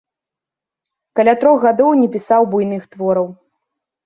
Каля трох гадоў не пісаў буйных твораў.